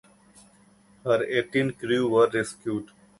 Her eighteen crew were rescued.